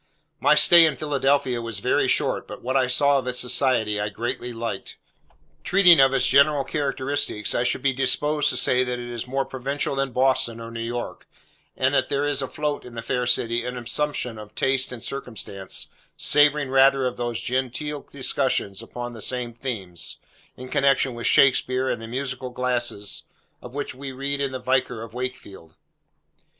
My stay in Philadelphia was very short, but what I saw of its society, I greatly liked. Treating of its general characteristics, I should be disposed to say that it is more provincial than Boston or New York, and that there is afloat in the fair city, an assumption of taste and criticism, savouring rather of those genteel discussions upon the same themes, in connection with Shakspeare and the Musical Glasses, of which we read in the Vicar of Wakefield.